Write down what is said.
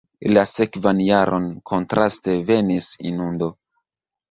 La sekvan jaron, kontraste, venis inundo.